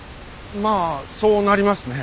まあそうなりますね。